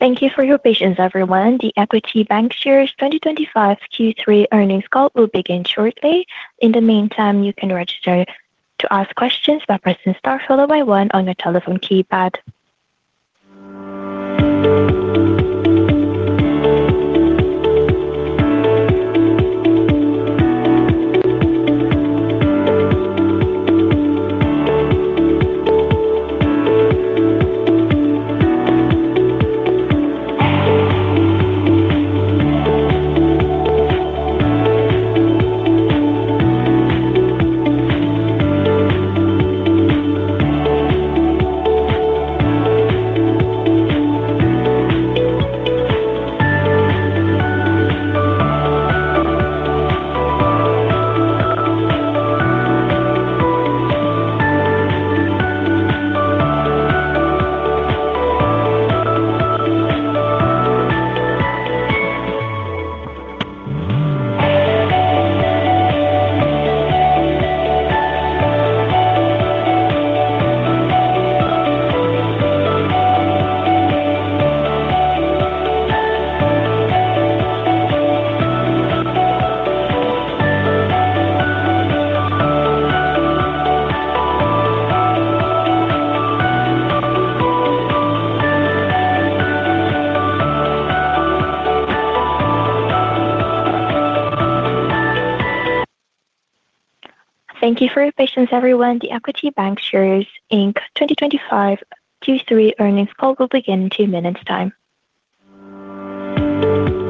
Thank you for your patience, everyone. The Equity Bancshares 2025 Q3 earnings call will begin shortly. In the meantime, you can register to ask questions by pressing Star, followed by one, on your telephone keypad. Thank you for your patience, everyone. The Equity Bancshares, Inc 2025 Q3 earnings call will begin in two minutes. Hello, and welcome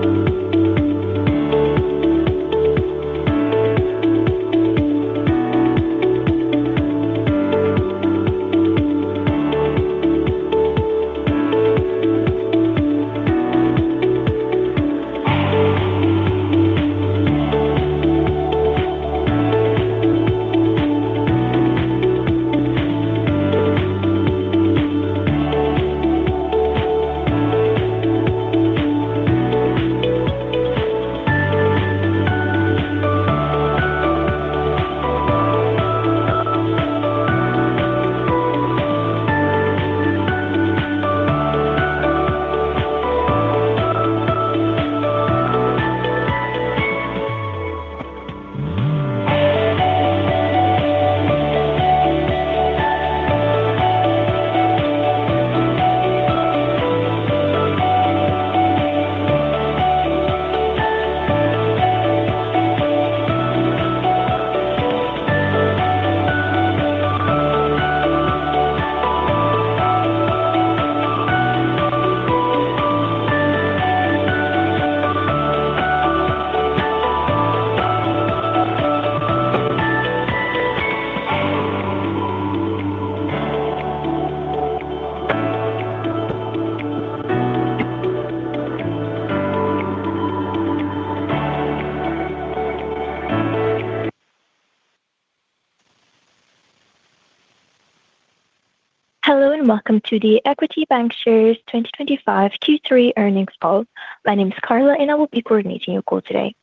to the Equity Bancshares 2025 Q3 earnings call. My name is Carla, and I will be coordinating your call today.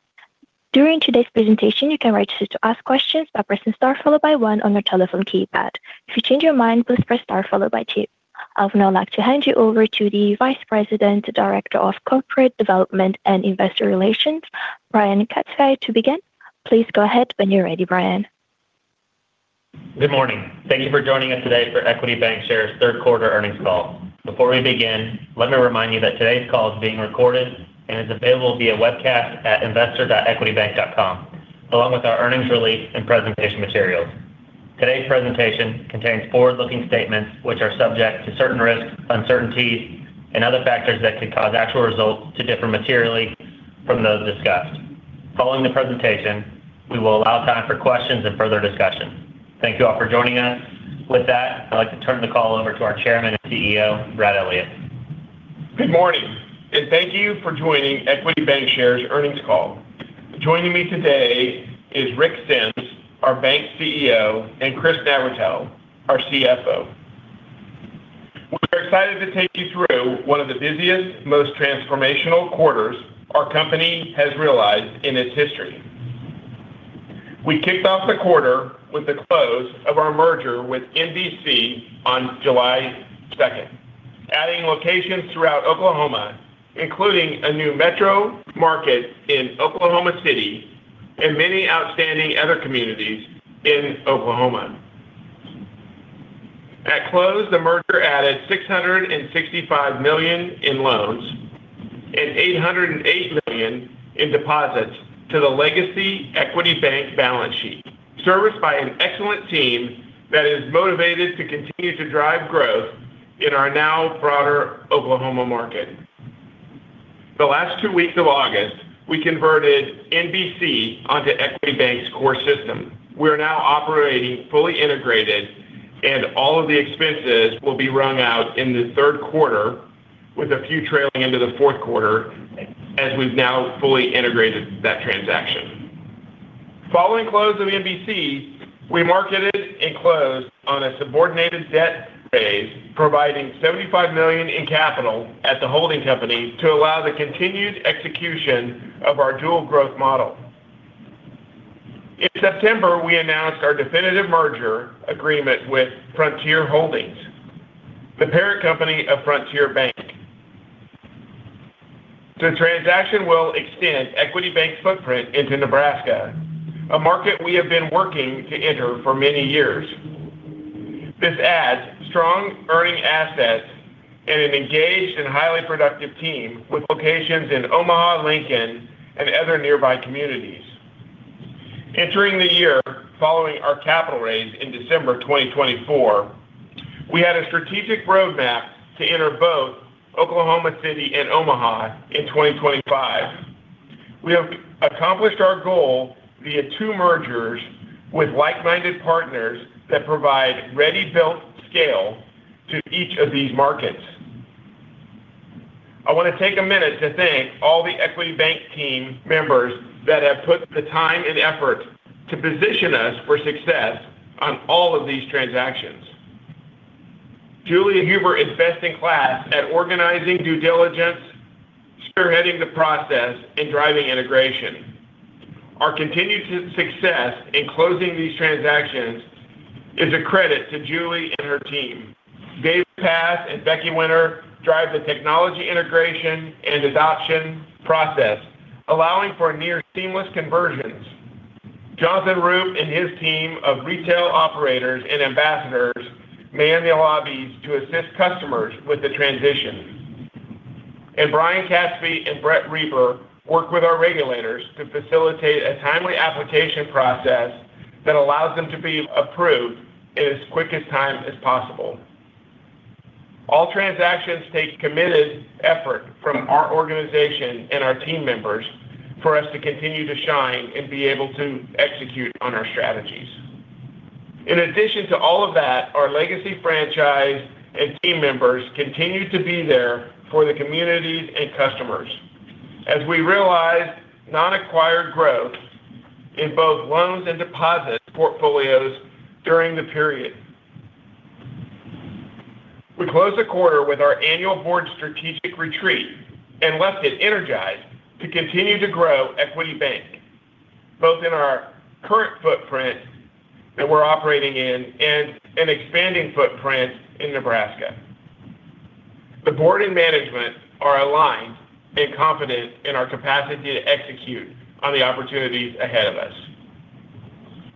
During today's presentation, you can register to ask questions by pressing Star, followed by one, on your telephone keypad. If you change your mind, please press Star, followed by two. I would now like to hand you over to the Vice President, Director of Corporate Development and Investor Relations, Brian Katzfey, to begin. Please go ahead when you're ready, Brian. Good morning. Thank you for joining us today for Equity Bancshare's third quarter earnings call. Before we begin, let me remind you that today's call is being recorded and is available via webcast at investor.equitybank.com, along with our earnings release and presentation materials. Today's presentation contains forward-looking statements, which are subject to certain risks, uncertainties, and other factors that could cause actual results to differ materially from those discussed. Following the presentation, we will allow time for questions and further discussion. Thank you all for joining us. With that, I'd like to turn the call over to our Chairman and CEO, Brett Elliott. Good morning, and thank you for joining Equity Bancshares' earnings call. Joining me today is Rick Sems, our Bank CEO, and Chris Navratil, our CFO. We're excited to take you through one of the busiest, most transformational quarters our company has realized in its history. We kicked off the quarter with the close of our merger with NBC Oklahoma on July 2nd, adding locations throughout Oklahoma, including a new metro market in Oklahoma City and many outstanding other communities in Oklahoma. At close, the merger added $665 million in loans and $808 million in deposits to the legacy Equity Bank balance sheet, serviced by an excellent team that is motivated to continue to drive growth in our now broader Oklahoma market. The last two weeks of August, we converted NBC onto Equity Bank's core system. We are now operating fully-integrated, and all of the expenses will be run out in the third quarter, with a few trailing into the fourth quarter, as we've now fully-integrated that transaction. Following close of NBC Oklahoma, we marketed and closed on a subordinated debt raise, providing $75 million in capital at the holding company to allow the continued execution of our dual growth model. In September, we announced our definitive merger agreement with Frontier Holdings, the parent company of Frontier Bank. The transaction will extend Equity Bank's footprint into Nebraska, a market we have been working to enter for many years. This adds strong earning assets and an engaged and highly productive team, with locations in Omaha, Lincoln, and other nearby communities. Entering the year following our capital raise in December 2024, we had a strategic roadmap to enter both Oklahoma City and Omaha in 2025. We have accomplished our goal via two mergers with like-minded partners that provide ready-built scale to each of these markets. I want to take a minute to thank all the Equity Bank team members that have put the time and effort to position us for success on all of these transactions. Julie Huber is best-in-class at organizing due diligence, spearheading the process, and driving integration. Our continued success in closing these transactions is a credit to Julie and her team. David Path and Becky Winter drive the technology integration and adoption process, allowing for near-seamless conversions. Jonathan Roop and his team of retail operators and ambassadors man the lobbies to assist customers with the transition. Brian Katzfey and Brett Reber work with our regulators to facilitate a timely application process that allows them to be approved in as quick a time as possible. All transactions take committed effort from our organization and our team members for us to continue to shine and be able to execute on our strategies. In addition to all of that, our legacy franchise and team members continue to be there for the communities and customers, as we realize non-acquired growth in both loans and deposit portfolios during the period. We close the quarter with our annual board strategic retreat and left it energized to continue to grow Equity Bank, both in our current footprint that we're operating in and an expanding footprint in Nebraska. The board and management are aligned and confident in our capacity to execute on the opportunities ahead of us.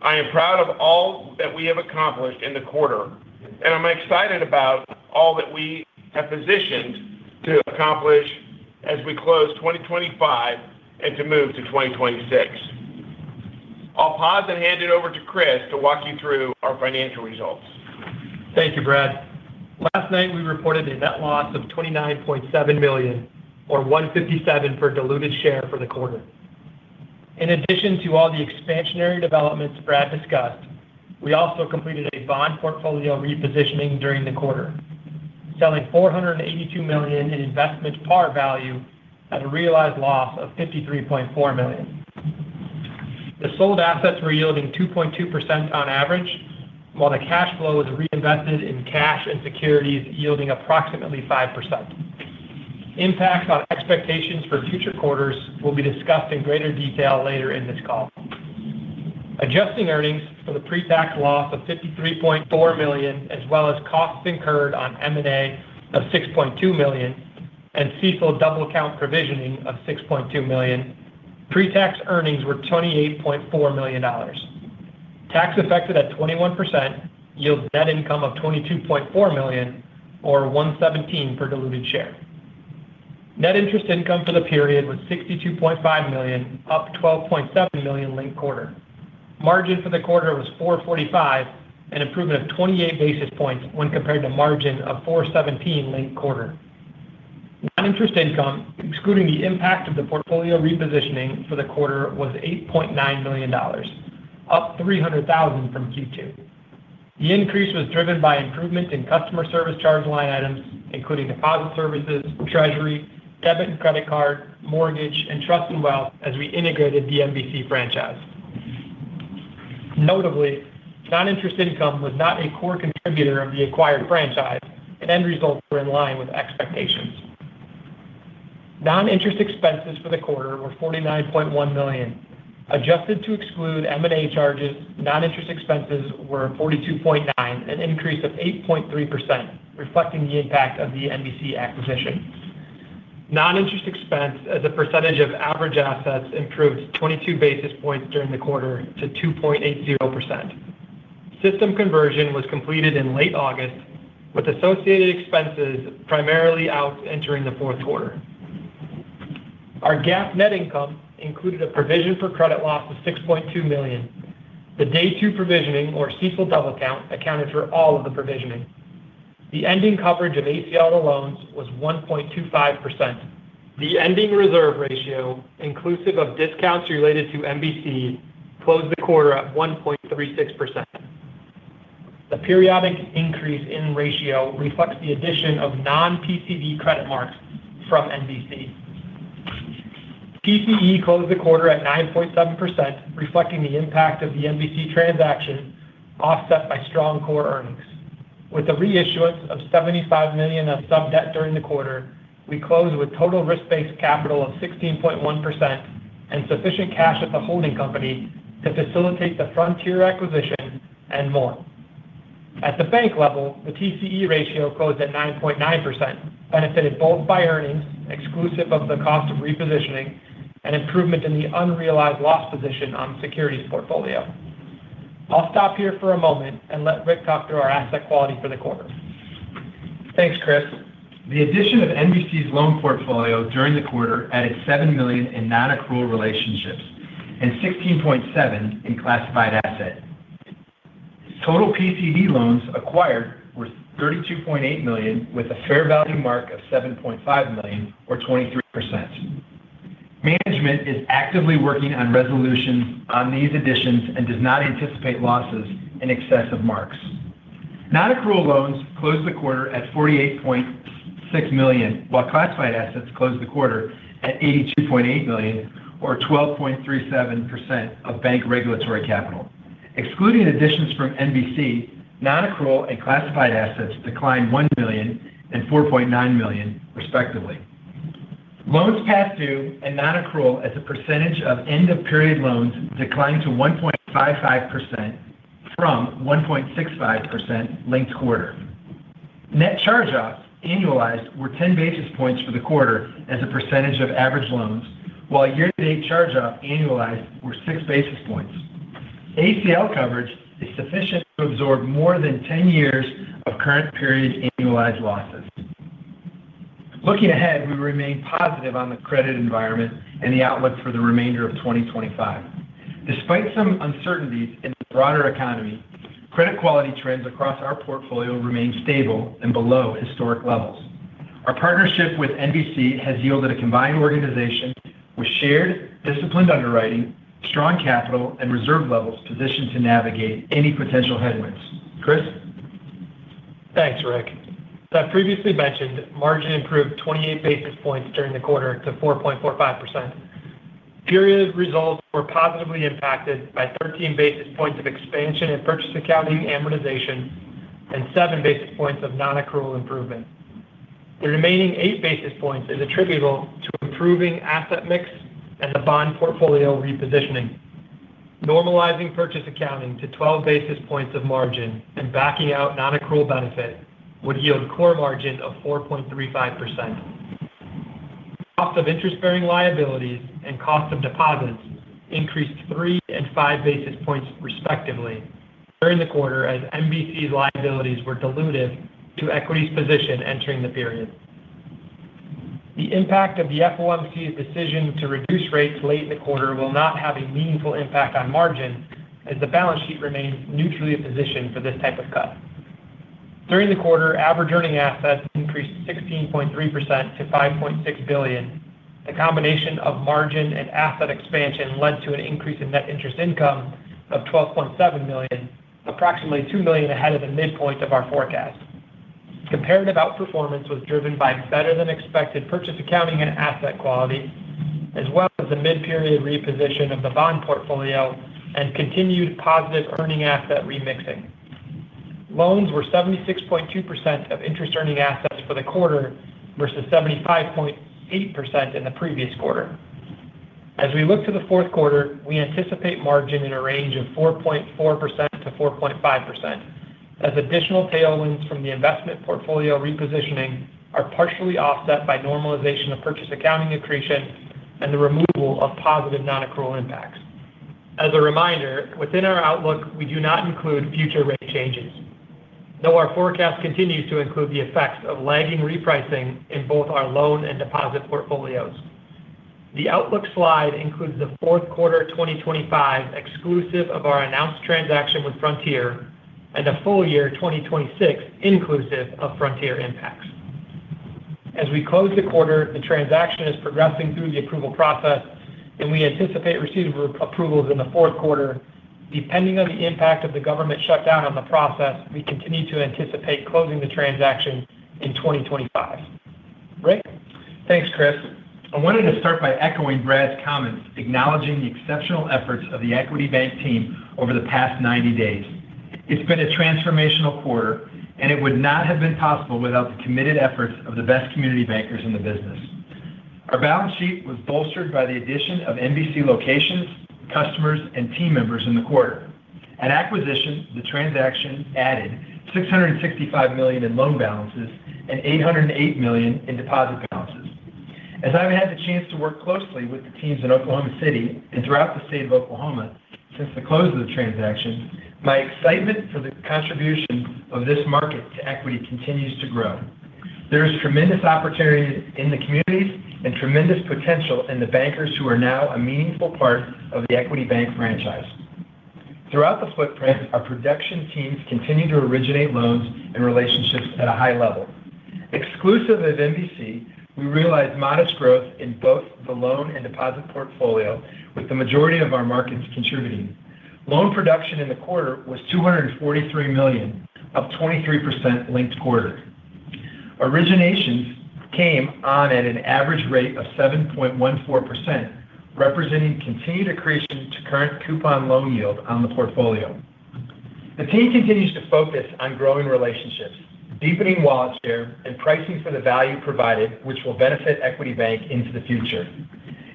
I am proud of all that we have accomplished in the quarter, and I'm excited about all that we have positioned to accomplish as we close 2025 and to move to 2026. I'll pause and hand it over to Chris to walk you through our financial results. Thank you, Brad. Last night, we reported a net loss of $29.7 million, or $1.57 per diluted share for the quarter. In addition to all the expansionary developments Brad discussed, we also completed a bond portfolio repositioning during the quarter, selling $482 million in investment par value at a realized loss of $53.4 million. The sold assets were yielding 2.2% on average, while the cash flow was reinvested in cash and securities, yielding approximately 5%. Impacts on expectations for future quarters will be discussed in greater detail later in this call. Adjusting earnings for the pre-tax loss of $53.4 million, as well as costs incurred on M&A of $6.2 million and CECL double-account provisioning of $6.2 million, pre-tax earnings were $28.4 million. Tax-affected at 21% yields net income of $22.4 million, or $1.17 per diluted share. Net interest income for the period was $62.5 million, up $12.7 million linked quarter. Margin for the quarter was 4.45%, an improvement of 28 basis points when compared to margin of 4.17% linked quarter. Non-interest income, excluding the impact of the portfolio repositioning for the quarter, was $8.9 million, up $300,000 from Q2. The increase was driven by improvement in customer service charge line items, including deposit services, treasury, debit and credit card, mortgage, and trust and wealth, as we integrated the NBC Oklahoma franchise. Notably, non-interest income was not a core contributor of the acquired franchise, and end results were in line with expectations. Non-interest expenses for the quarter were $49.1 million. Adjusted to exclude M&A charges, non-interest expenses were $42.9 million, an increase of 8.3%, reflecting the impact of the NBC Oklahoma acquisition. Non-interest expense, as a percentage of average assets, improved 22 basis points during the quarter to 2.80%. System conversion was completed in late August, with associated expenses primarily out entering the fourth quarter. Our GAAP net income included a provision for credit loss of $6.2 million. The day two provisioning, or CECL double-account, accounted for all of the provisioning. The ending coverage of ACL loans was 1.25%. The ending reserve ratio, inclusive of discounts related to NBC, closed the quarter at 1.36%. The periodic increase in ratio reflects the addition of non-PCE credit marks from NBC Oklahoma. PCE closed the quarter at 9.7%, reflecting the impact of the NBC Oklahoma transaction, offset by strong core earnings. With a reissuance of $75 million of subordinated debt during the quarter, we closed with total risk-based capital of 16.1% and sufficient cash at the holding company to facilitate the Frontier Holdings acquisition and more. At the bank level, the TCE ratio closed at 9.9%, benefited both by earnings, exclusive of the cost of repositioning, and improvement in the unrealized loss position on securities portfolio. I'll stop here for a moment and let Rick talk through our asset quality for the quarter. Thanks, Chris. The addition of NBC's loan portfolio during the quarter added $7 million in non-accrual relationships and $16.7 million in classified assets. Total PCE loans acquired were $32.8 million, with a fair value mark of $7.5 million, or 23%. Management is actively working on resolution on these additions and does not anticipate losses in excess of marks. Non-accrual loans closed the quarter at $48.6 million, while classified assets closed the quarter at $82.8 million, or 12.37% of bank regulatory capital. Excluding additions from NBC, non-accrual and classified assets declined $1 million and $4.9 million, respectively. Loans past due and non-accrual as a percentage of end-of-period loans declined to 1.55% from 1.65% linked quarter. Net charge-offs annualized were 10 basis points for the quarter as a percentage of average loans, while year-to-date charge-offs annualized were 6 basis points. ACL coverage is sufficient to absorb more than 10 years of current period annualized losses. Looking ahead, we remain positive on the credit environment and the outlook for the remainder of 2025. Despite some uncertainties in the broader economy, credit quality trends across our portfolio remain stable and below historic levels. Our partnership with NBC has yielded a combined organization with shared disciplined underwriting, strong capital, and reserve levels positioned to navigate any potential headwinds. Chris? Thanks, Rick. As I previously mentioned, margin improved 28 basis points during the quarter to 4.45%. Period results were positively impacted by 13 basis points of expansion in purchase accounting amortization and 7 basis points of non-accrual improvement. The remaining 8 basis points are attributable to improving asset mix and the bond portfolio repositioning. Normalizing purchase accounting to 12 basis points of margin and backing out non-accrual benefit would yield a core margin of 4.35%. Cost of interest-bearing liabilities and cost of deposits increased 3 and 5 basis points, respectively, during the quarter, as NBC]s liabilities were dilutive to Equity Bancshares Inc.'s position entering the period. The impact of the FOMC's decision to reduce rates late in the quarter will not have a meaningful impact on margin, as the balance sheet remains neutrally positioned for this type of cut. During the quarter, average earning assets increased 16.3% to $5.6 billion. The combination of margin and asset expansion led to an increase in net interest income of $12.7 million, approximately $2 million ahead of the midpoint of our forecast. Comparative outperformance was driven by better-than-expected purchase accounting and asset quality, as well as the mid-period reposition of the bond portfolio and continued positive earning asset remixing. Loans were 76.2% of interest earning assets for the quarter versus 75.8% in the previous quarter. As we look to the fourth quarter, we anticipate margin in a range of 4.4%-4.5%, as additional tailwinds from the investment portfolio repositioning are partially offset by normalization of purchase accounting accretion and the removal of positive non-accrual impacts. As a reminder, within our outlook, we do not include future rate changes, though our forecast continues to include the effects of lagging repricing in both our loan and deposit portfolios. The outlook slide includes the fourth quarter 2025, exclusive of our announced transaction with Frontier, and a full year 2026, inclusive of Frontier impacts. As we close the quarter, the transaction is progressing through the approval process, and we anticipate receiving approvals in the fourth quarter. Depending on the impact of the government shutdown on the process, we continue to anticipate closing the transaction in 2025. Rick? Thanks, Chris. I wanted to start by echoing Brad's comments, acknowledging the exceptional efforts of the Equity Bank team over the past 90 days. It's been a transformational quarter, and it would not have been possible without the committed efforts of the best community bankers in the business. Our balance sheet was bolstered by the addition of NBC locations, customers, and team members in the quarter. An acquisition, the transaction added $665 million in loan balances and $808 million in deposit balances. As I've had the chance to work closely with the teams in Oklahoma City and throughout the state of Oklahoma since the close of the transaction, my excitement for the contribution of this market to Equity continues to grow. There is tremendous opportunity in the communities and tremendous potential in the bankers who are now a meaningful part of the Equity Bank franchise. Throughout the footprint, our production teams continue to originate loans and relationships at a high level. Exclusive of NBC, we realized modest growth in both the loan and deposit portfolio, with the majority of our markets contributing. Loan production in the quarter was $243 million, up 23% linked quarter. Originations came on at an average rate of 7.14%, representing continued accretion to current coupon loan yield on the portfolio. The team continues to focus on growing relationships, deepening wallet share, and pricing for the value provided, which will benefit Equity Bank into the future.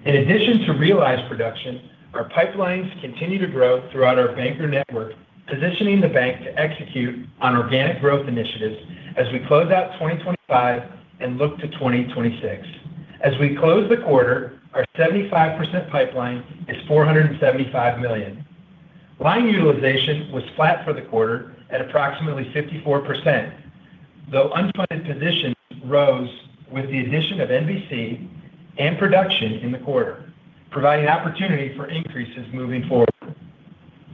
In addition to realized production, our pipelines continue to grow throughout our banker network, positioning the bank to execute on organic growth initiatives as we close out 2025 and look to 2026. As we close the quarter, our 75% pipeline is $475 million. Line utilization was flat for the quarter at approximately 54%, though unfunded positions rose with the addition of NBC and production in the quarter, providing opportunity for increases moving forward.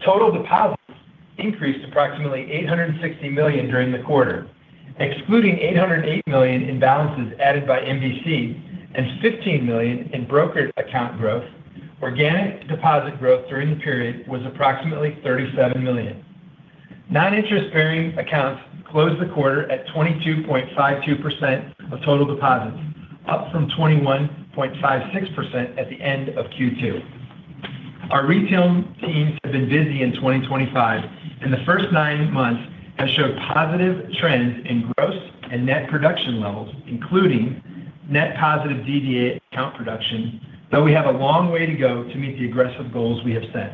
Total deposits increased approximately $860 million during the quarter, excluding $808 million in balances added by NBC and $15 million in brokered account growth. Organic deposit growth during the period was approximately $37 million. Non-interest-bearing accounts closed the quarter at 22.52% of total deposits, up from 21.56% at the end of Q2. Our retail teams have been busy in 2025, and the first nine months have shown positive trends in gross and net production levels, including net positive DDA account production, though we have a long way to go to meet the aggressive goals we have set.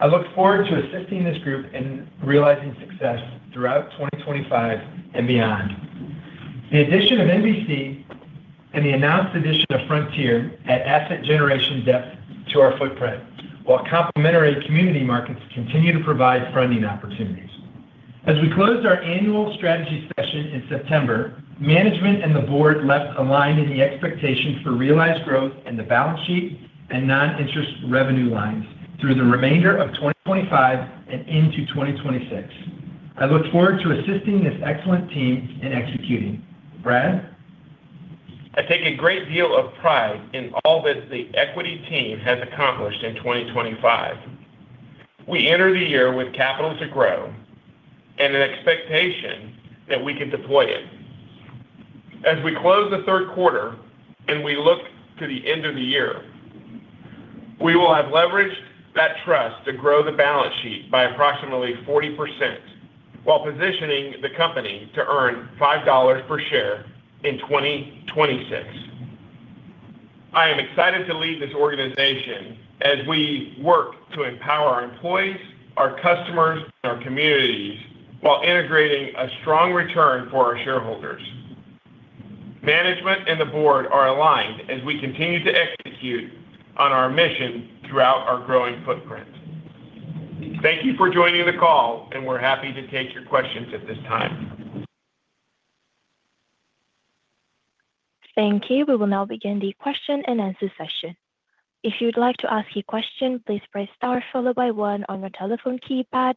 I look forward to assisting this group in realizing success throughout 2025 and beyond. The addition of NBC and the announced addition of Frontier add asset generation depth to our footprint, while complementary community markets continue to provide funding opportunities. As we closed our annual strategy session in September, management and the board left aligned in the expectation for realized growth in the balance sheet and non-interest revenue lines through the remainder of 2025 and into 2026. I look forward to assisting this excellent team in executing. Brett? I take a great deal of pride in all that the Equity team has accomplished in 2025. We enter the year with capital to grow and an expectation that we can deploy it. As we close the third quarter and we look to the end of the year, we will have leveraged that trust to grow the balance sheet by approximately 40%, while positioning the company to earn $5 per share in 2026. I am excited to lead this organization as we work to empower our employees, our customers, and our communities, while integrating a strong return for our shareholders. Management and the Board are aligned as we continue to execute on our mission throughout our growing footprint. Thank you for joining the call, and we're happy to take your questions at this time. Thank you. We will now begin the question-and-answer session. If you'd like to ask a question, please press Star, followed by one, on your telephone keypad.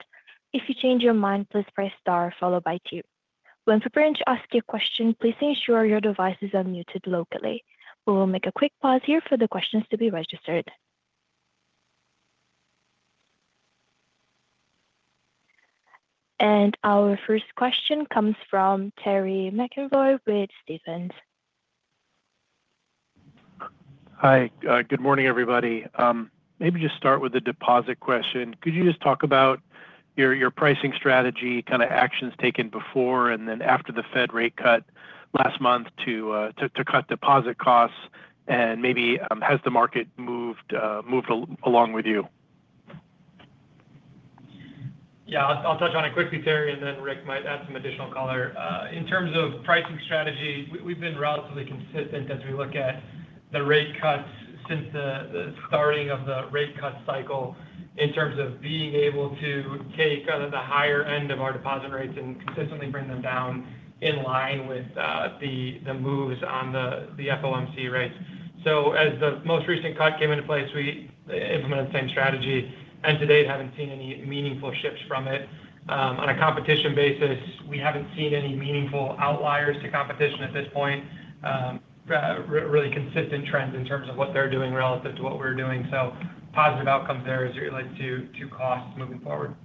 If you change your mind, please press Star, followed by two. When preparing to ask a question, please ensure your device is unmuted locally. We will make a quick pause here for the questions to be registered. Our first question comes from Terry McEvoy with Stephens. Hi. Good morning, everybody. Maybe just start with a deposit question. Could you just talk about your pricing strategy, kind of actions taken before and then after the Fed rate cut last month to cut deposit costs, and maybe has the market moved along with you? Yeah, I'll touch on it quickly, Terry, and then Rick might add some additional color. In terms of pricing strategy, we've been relatively consistent as we look at the rate cuts since the starting of the rate cut cycle in terms of being able to take the higher end of our deposit rates and consistently bring them down in line with the moves on the F.O.M.C. rates. As the most recent cut came into place, we implemented the same strategy, and to date, haven't seen any meaningful shifts from it. On a competition basis, we haven't seen any meaningful outliers to competition at this point, really consistent trends in terms of what they're doing relative to what we're doing. Positive outcomes there as it relates to costs moving forward.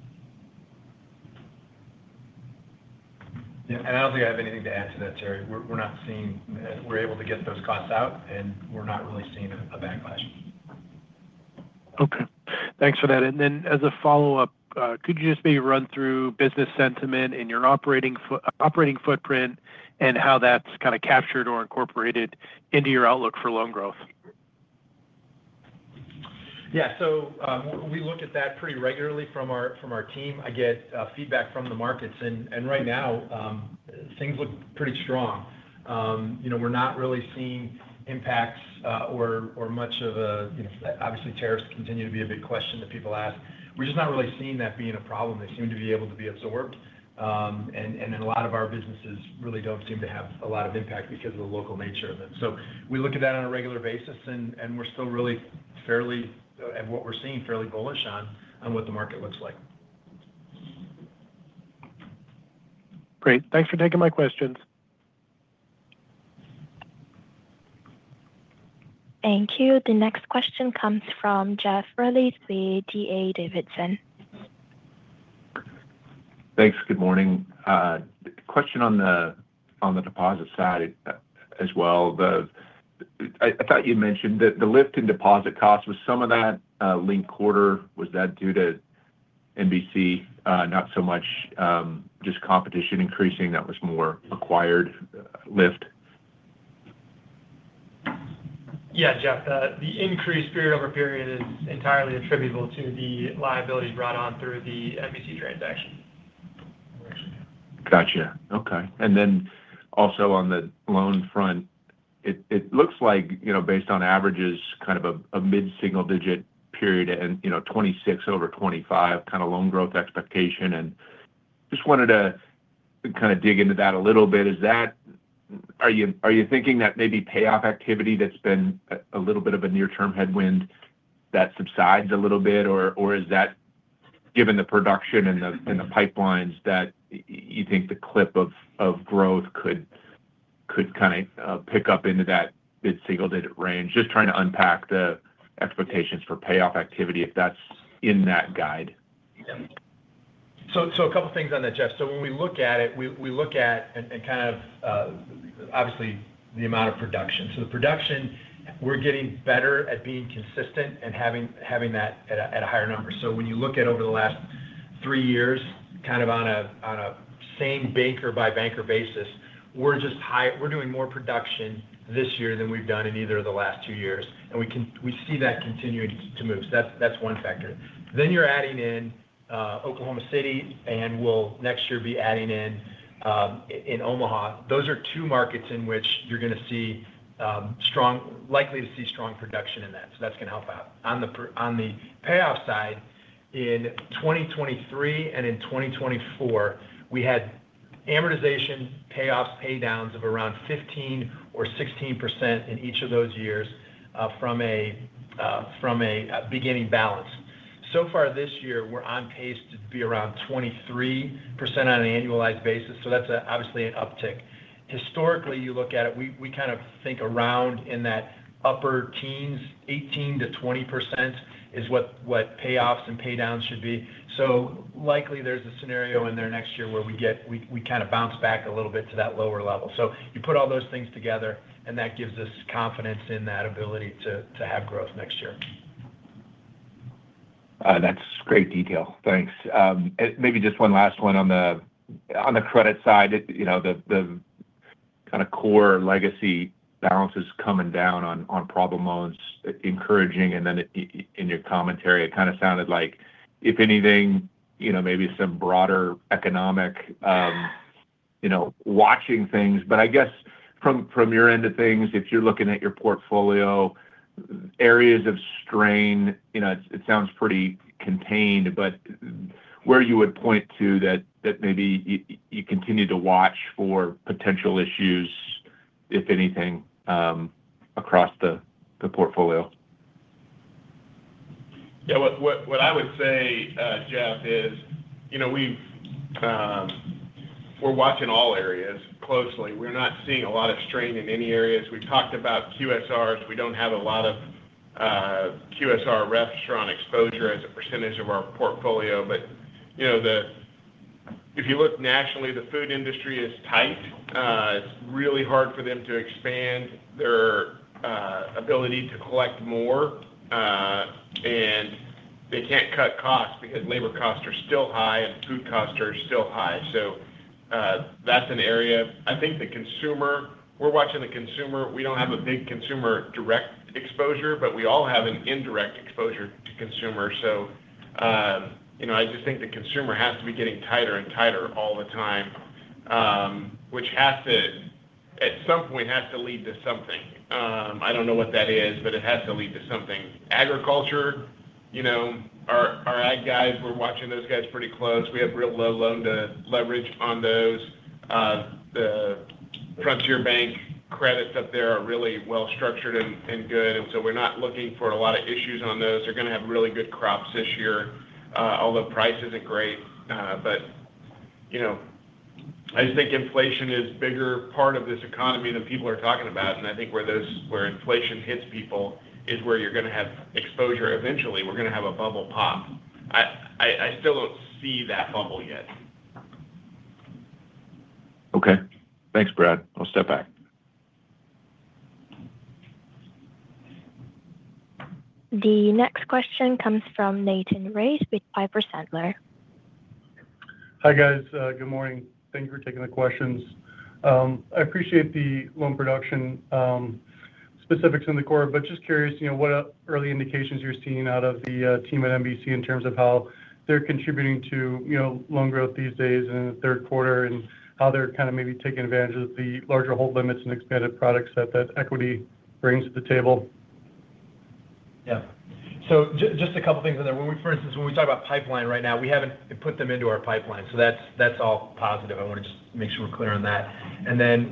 Yeah, I don't think I have anything to add to that, Terry. We're not seeing we're able to get those costs out, and we're not really seeing a backlash. Okay. Thanks for that. As a follow-up, could you just maybe run through business sentiment in your operating footprint and how that's kind of captured or incorporated into your outlook for loan growth? Yeah, we look at that pretty regularly from our team. I get feedback from the markets, and right now, things look pretty strong. We're not really seeing impacts or much of a, you know, obviously, tariffs continue to be a big question that people ask. We're just not really seeing that being a problem. They seem to be able to be absorbed. A lot of our businesses really don't seem to have a lot of impact because of the local nature of it. We look at that on a regular basis, and we're still really fairly, at what we're seeing, fairly bullish on what the market looks like. Great. Thanks for taking my questions. Thank you. The next question comes from Jeff Riley with D.A. Davidson. Thanks. Good morning. The question on the deposit side as well. I thought you mentioned that the lift in deposit costs, was some of that linked quarter? Was that due to NBC Oklahoma, not so much just competition increasing? That was more acquired lift? Yeah, Jeff. The increase period over period is entirely attributable to the liabilities brought on through the NBC Oklahoma transaction. Gotcha. Okay. On the loan front, it looks like, you know, based on averages, kind of a mid-single-digit period and 26 over 25 kind of loan growth expectation. Just wanted to dig into that a little bit. Are you thinking that maybe payoff activity that's been a little bit of a near-term headwind subsides a little bit? Or is that given the production and the pipelines that you think the clip of growth could pick up into that mid-single-digit range? Just trying to unpack the expectations for payoff activity if that's in that guide. Yeah. A couple of things on that, Jeff. When we look at it, we look at, obviously, the amount of production. The production, we're getting better at being consistent and having that at a higher number. When you look at over the last three years, kind of on a same banker-by-banker basis, we're just higher. We're doing more production this year than we've done in either of the last two years. We see that continuing to move. That's one factor. You're adding in Oklahoma City, and next year we'll be adding in Omaha. Those are two markets in which you're likely to see strong production in that. That's going to help out. On the payoff side, in 2023 and in 2024, we had amortization payoffs, paydowns of around 15% or 16% in each of those years from a beginning balance. So far this year, we're on pace to be around 23% on an annualized basis. That's obviously an uptick. Historically, you look at it, we kind of think around in that upper teens, 18%-20% is what payoffs and paydowns should be. Likely, there's a scenario in there next year where we kind of bounce back a little bit to that lower level. You put all those things together, and that gives us confidence in that ability to have growth next year. That's great detail. Thanks. Maybe just one last one on the credit side. You know, the kind of core legacy balances coming down on problem loans, encouraging. In your commentary, it kind of sounded like, if anything, you know, maybe some broader economic, you know, watching things. I guess from your end of things, if you're looking at your portfolio, areas of strain, you know, it sounds pretty contained, but where you would point to that maybe you continue to watch for potential issues, if anything, across the portfolio? Yeah, what I would say, Jeff, is we're watching all areas closely. We're not seeing a lot of strain in any areas. We've talked about QSRs. We don't have a lot of QSR restaurant exposure as a percentage of our portfolio. If you look nationally, the food industry is tight. It's really hard for them to expand their ability to collect more, and they can't cut costs because labor costs are still high and food costs are still high. That's an area. I think the consumer, we're watching the consumer. We don't have a big consumer direct exposure, but we all have an indirect exposure to consumers. I just think the consumer has to be getting tighter and tighter all the time, which has to, at some point, lead to something. I don't know what that is, but it has to lead to something. Agriculture, our ag guys, we're watching those guys pretty close. We have real low loan to leverage on those. The Frontier Bank credits up there are really well structured and good, and we're not looking for a lot of issues on those. They're going to have really good crops this year, although price isn't great. I just think inflation is a bigger part of this economy than people are talking about. I think where those inflation hits people is where you're going to have exposure eventually. We're going to have a bubble pop. I still don't see that bubble yet. Okay, thanks, Brett. I'll step back. The next question comes from Nathan Race with Piper Sandler. Hi, guys. Good morning. Thank you for taking the questions. I appreciate the loan production specifics in the quarter, but just curious, you know, what early indications you're seeing out of the team at NBC in terms of how they're contributing to loan growth these days in the third quarter and how they're kind of maybe taking advantage of the larger hold limits and expanded products that Equity brings to the table? Yeah. Just a couple of things on there. For instance, when we talk about pipeline right now, we haven't put them into our pipeline. That's all positive. I want to just make sure we're clear on that.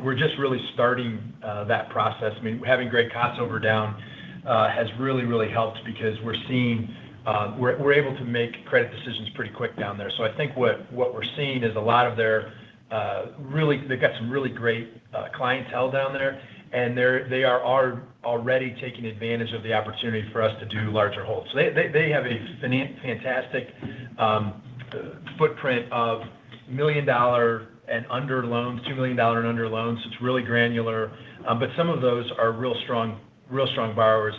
We're just really starting that process. Having Greg Kossover down has really, really helped because we're seeing we're able to make credit decisions pretty quick down there. I think what we're seeing is a lot of their really, they've got some really great clientele down there, and they are already taking advantage of the opportunity for us to do larger holds. They have a fantastic footprint of $1 million and under loans, $2 million and under loans. It's really granular. Some of those are real strong, real strong borrowers.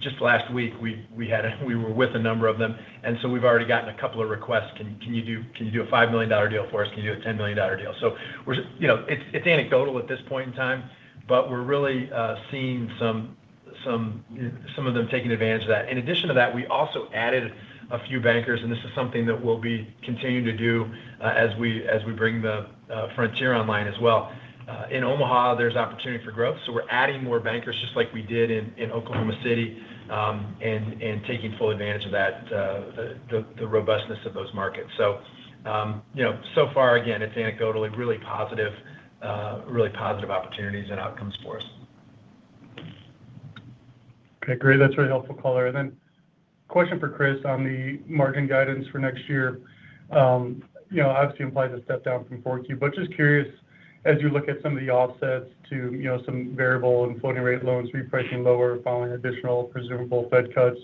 Just last week, we were with a number of them. We've already gotten a couple of requests. Can you do a $5 million deal for us? Can you do a $10 million deal? It's anecdotal at this point in time, but we're really seeing some of them taking advantage of that. In addition to that, we also added a few bankers, and this is something that we'll be continuing to do as we bring the Frontier online as well. In Omaha, there's opportunity for growth. We're adding more bankers just like we did in Oklahoma City and taking full advantage of that, the robustness of those markets. So far, again, it's anecdotally really positive, really positive opportunities and outcomes for us. Okay. Great. That's a very helpful call there. A question for Chris on the margin guidance for next year. You know, obviously, it implies a step down from 4Q, but just curious, as you look at some of the offsets to some variable inflation rate loans, repricing lower following additional presumable Fed cuts,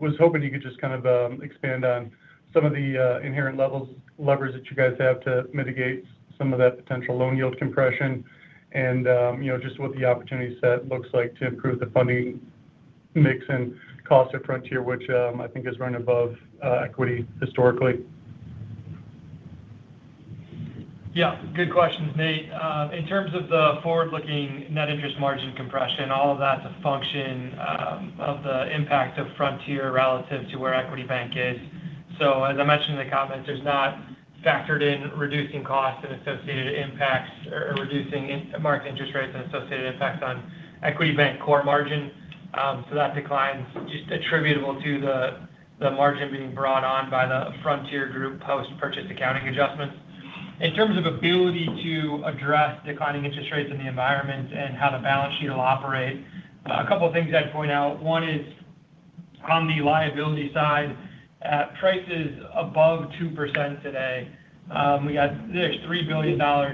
I was hoping you could just kind of expand on some of the inherent levers that you guys have to mitigate some of that potential loan yield compression and just what the opportunity set looks like to improve the funding mix and cost of Frontier, which I think is running above Equity historically. Yeah, good questions, Nate. In terms of the forward-looking net interest margin compression, all of that's a function of the impact of Frontier relative to where Equity Bank is. As I mentioned in the comments, there's not factored in reducing costs and associated impacts or reducing market interest rates and associated impacts on Equity Bank core margin. That decline is just attributable to the margin being brought on by the Frontier Group post-purchase accounting adjustments. In terms of ability to address declining interest rates in the environment and how the balance sheet will operate, a couple of things I'd point out. One is on the liability side, at prices above 2% today, we've got $3+ billion on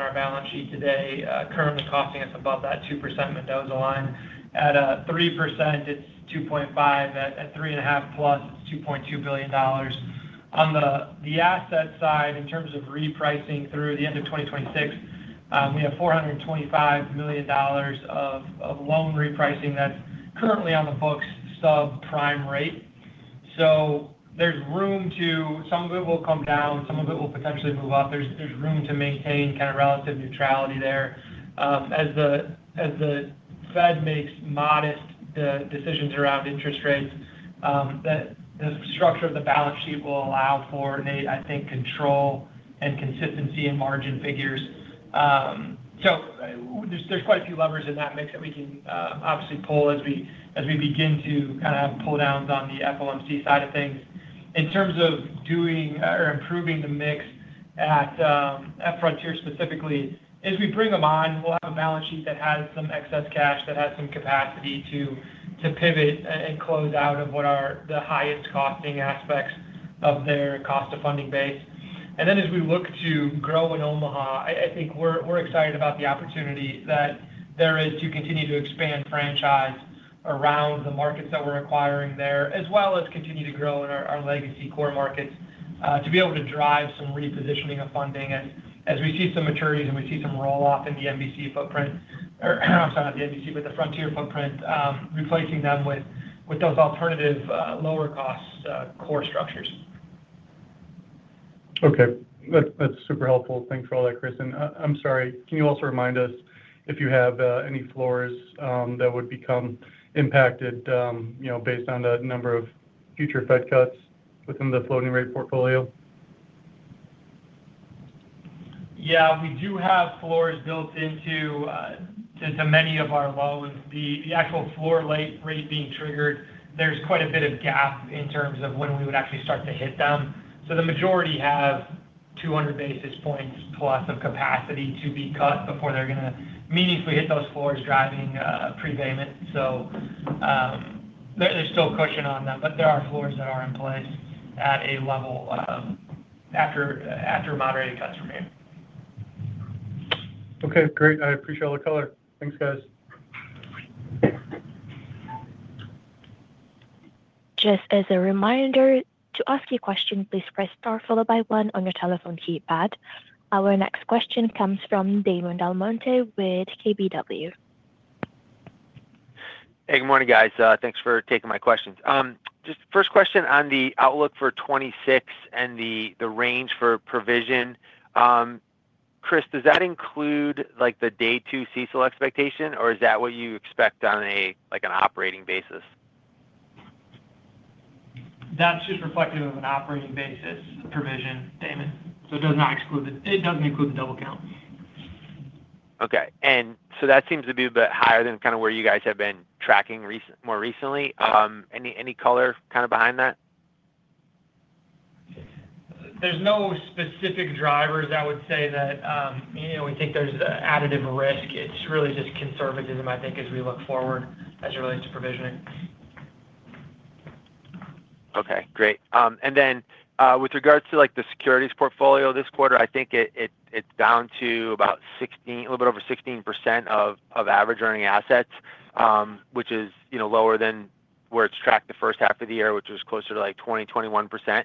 our balance sheet today, currently costing us above that 2% Mendoza line. At 3%, it's $2.5 billion. At 3.5%+, it's $2.2 billion. On the asset side, in terms of repricing through the end of 2026, we have $425 million of loan repricing that's currently on the books sub-prime rate. There's room to, some of it will come down, some of it will potentially move up. There's room to maintain kind of relative neutrality there. As the Fed makes modest decisions around interest rates, the structure of the balance sheet will allow for, Nate, I think, control and consistency in margin figures. There's quite a few levers in that mix that we can obviously pull as we begin to have pull-downs on the FOMC side of things. In terms of doing or improving the mix at Frontier specifically, as we bring them on, we'll have a balance sheet that has some excess cash that has some capacity to pivot and close out of what are the highest costing aspects of their cost of funding base. As we look to grow in Omaha, I think we're excited about the opportunity that there is to continue to expand franchise around the markets that we're acquiring there, as well as continue to grow in our legacy core markets to be able to drive some repositioning of funding as we see some maturities and we see some rolloff in the Frontier footprint, replacing them with those alternative lower-cost core structures. Okay. That's super helpful. Thanks for all that, Chris. I'm sorry, can you also remind us if you have any floors that would become impacted based on the number of future Fed cuts within the floating rate portfolio? Yeah, we do have floors built into many of our loans. The actual floor rate being triggered, there's quite a bit of gap in terms of when we would actually start to hit them. The majority have 200+ basis points of capacity to be cut before they're going to meaningfully hit those floors driving prepayment. There's still cushion on them, but there are floors that are in place at a level of after moderated cuts remain. Okay. Great. I appreciate all the color. Thanks, guys. Just as a reminder, to ask a question, please press Star, followed by one, on your telephone keypad. Our next question comes from Damon DelMonte with KBW. Hey, good morning, guys. Thanks for taking my questions. First question on the outlook for 2026 and the range for provision. Chris, does that include like the day-two CECL expectation, or is that what you expect on a like an operating basis? That's just reflective of an operating basis provision, Damon. It does not include the double count. Okay. That seems to be a bit higher than kind of where you guys have been tracking more recently. Any color kind of behind that? There's no specific drivers I would say that you know we think there's additive risk. It's really just conservatism, I think, as we look forward as it relates to provisioning. Okay. Great. With regards to the securities portfolio this quarter, I think it's down to about 16%, a little bit over 16% of average earning assets, which is lower than where it's tracked the first half of the year, which was closer to like 20%, 21%.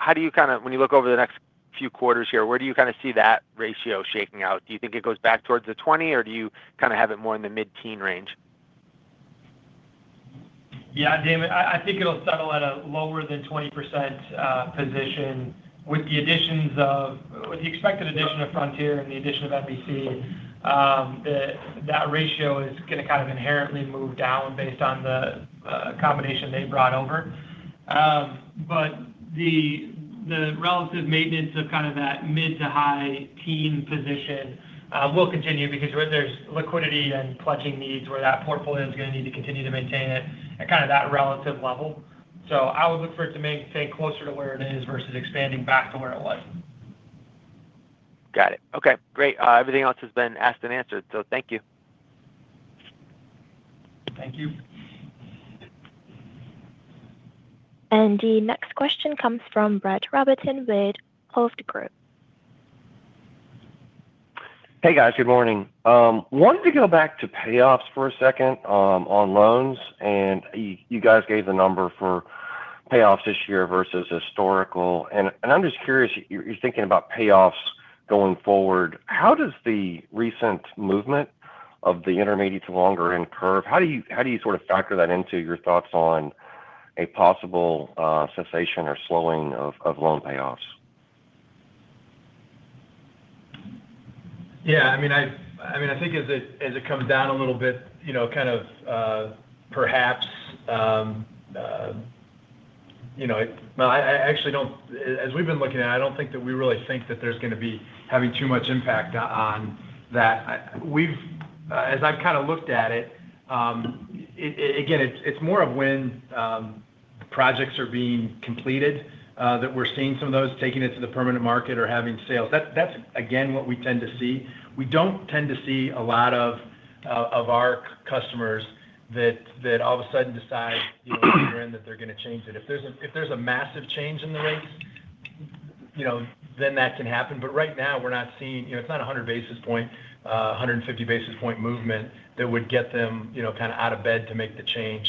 How do you, when you look over the next few quarters here, where do you see that ratio shaking out? Do you think it goes back towards the 20%, or do you have it more in the mid-teen range? Yeah, Damon, I think it'll settle at a lower than 20% position with the additions of, with the expected addition of Frontier and the addition of NBC. That ratio is going to kind of inherently move down based on the combination they brought over. The relative maintenance of kind of that mid to high teen position will continue because there's liquidity and pledging needs where that portfolio is going to need to continue to maintain it at kind of that relative level. I would look for it to maintain closer to where it is versus expanding back to where it was. Got it. Okay, great. Everything else has been asked and answered. Thank you. Thank you. The next question comes from Brett Robinson with Holt Group. Hey, guys. Good morning. Wanted to go back to payoffs for a second on loans. You guys gave the number for payoffs this year versus historical. I'm just curious, you're thinking about payoffs going forward. How does the recent movement of the intermediate to longer-end curve, how do you sort of factor that into your thoughts on a possible cessation or slowing of loan payoffs? Yeah, I mean, I think as it comes down a little bit, perhaps, I actually don't, as we've been looking at it, I don't think that we really think that there's going to be having too much impact on that. As I've kind of looked at it, again, it's more of when the projects are being completed that we're seeing some of those taking it to the permanent market or having sales. That's what we tend to see. We don't tend to see a lot of our customers that all of a sudden decide year in that they're going to change it. If there's a massive change in the rates, that can happen. Right now, we're not seeing, it's not 100 basis point, 150 basis point movement that would get them out of bed to make the change.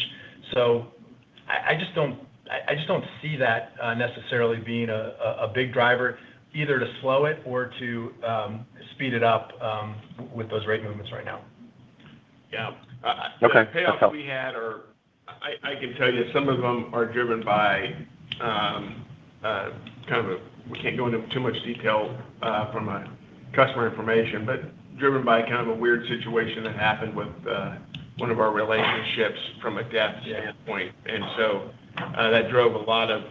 I just don't see that necessarily being a big driver either to slow it or to speed it up with those rate movements right now. Yeah. The payoffs we had are, I can tell you that some of them are driven by kind of a, we can't go into too much detail from a customer information, but driven by kind of a weird situation that happened with one of our relationships from a debt standpoint. That drove a lot of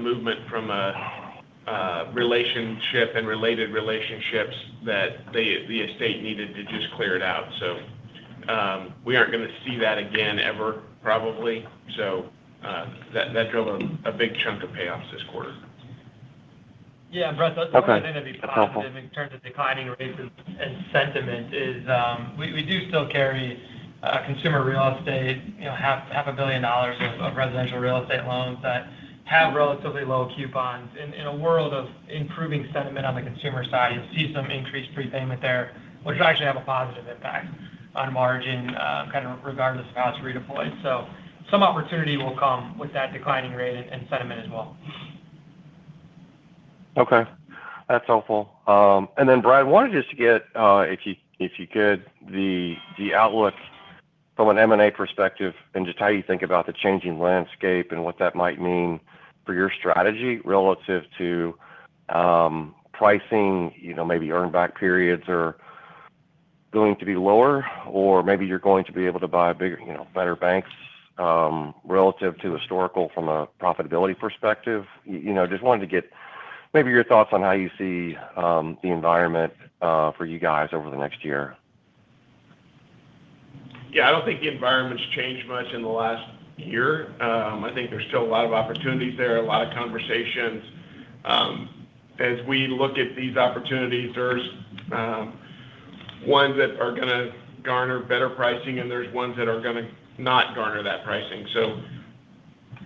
movement from a relationship and related relationships that the estate needed to just clear it out. We aren't going to see that again ever, probably. That drove a big chunk of payoffs this quarter. Yeah, Brett, that's an interview question in terms of declining rates and sentiment. We do still carry consumer real estate, you know, half a billion dollars of residential real estate loans that have relatively low coupons. In a world of improving sentiment on the consumer side, you'll see some increased prepayment there, which will actually have a positive impact on margin, kind of regardless of how it's redeployed. Some opportunity will come with that declining rate and sentiment as well. Okay. That's helpful. Brett, I wanted just to get, if you could, the outlook from an M&A perspective and how you think about the changing landscape and what that might mean for your strategy relative to pricing. Maybe earn-back periods are going to be lower, or maybe you're going to be able to buy bigger, better banks relative to historical from a profitability perspective. I just wanted to get your thoughts on how you see the environment for you guys over the next year. Yeah, I don't think the environment's changed much in the last year. I think there's still a lot of opportunities there, a lot of conversations. As we look at these opportunities, there's ones that are going to garner better pricing, and there's ones that are going to not garner that pricing.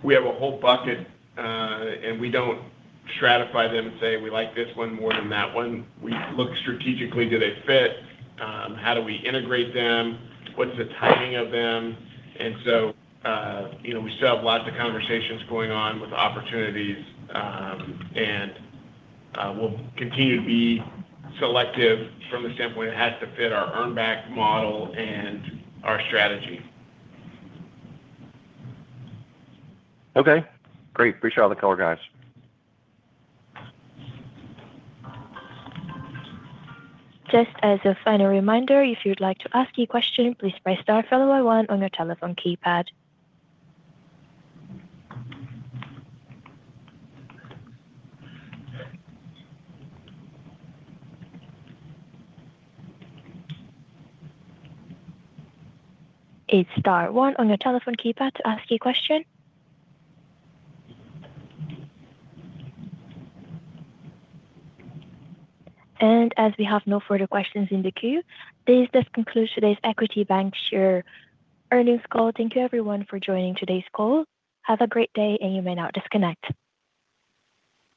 We have a whole bucket, and we don't stratify them and say, "We like this one more than that one." We look strategically, do they fit? How do we integrate them? What's the timing of them? You know, we still have lots of conversations going on with opportunities, and we'll continue to be selective from the standpoint it has to fit our earn-back model and our strategy. Okay. Great. Appreciate all the color, guys. Just as a final reminder, if you'd like to ask a question, please press star, followed by one, on your telephone keypad. It's star, one, on your telephone keypad to ask a question. As we have no further questions in the queue, this concludes today's Equity Bancshares earnings call. Thank you, everyone, for joining today's call. Have a great day, and you may now disconnect.